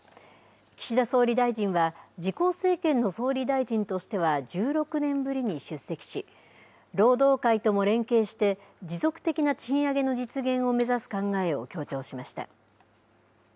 岸田総理大臣は自公政権の総理大臣としては１６年ぶりに出席し労働界とも連携して持続的な賃上げの実現を目指す考えを強調しました。